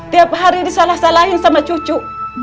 tiap hari disalah salahin sama cucu